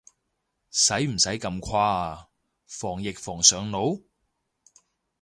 使唔使咁誇啊，防疫防上腦？